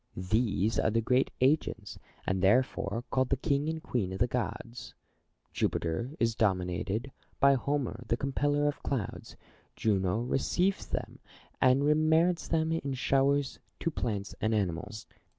These are the great agents, and therefore called the king and queen of the gods. Jupiter is denominated by Homer the compeller of clouds : Juno receives them, and remits them in showers to plants and animals.